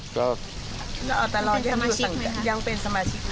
จะตลอดที่ยังเป็นสมาชิก